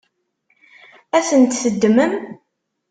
Ad tent-teddmem?